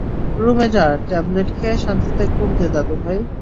রুমে যা, টেবলেট খেয়ে, শান্তিতে ঘুম দে, দাদুভাই।